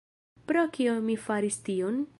Pro kio mi faris tion?